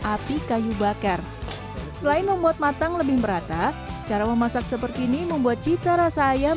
api kayu bakar selain membuat matang lebih merata cara memasak seperti ini membuat cita rasa ayam